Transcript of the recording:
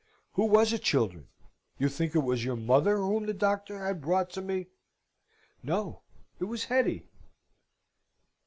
Who was it, children? You think it was your mother whom the doctor had brought to me? No. It was Hetty.